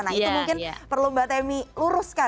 nah itu mungkin perlu mbak temi luruskan